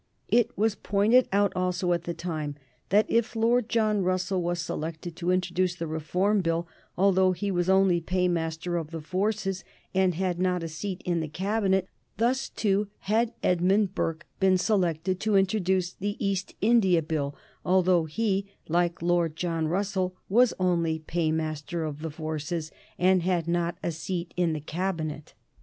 It was pointed out also, at the time, that if Lord John Russell was selected to introduce the Reform Bill, although he was only Paymaster of the Forces and had not a seat in the Cabinet, thus too had Edmund Burke been selected to introduce the East India Bill, although he, like Lord John Russell, was only Paymaster of the Forces and had not a seat in the Cabinet.